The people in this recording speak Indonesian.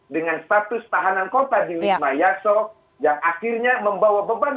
dan itu menjadi trauma sejarah rikmahisasi itu dihapuskan